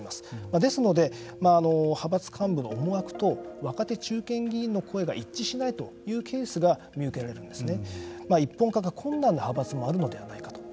ですので、派閥幹部の思惑と若手・中堅議員の声が一致しないというケースが見受けられるんですね。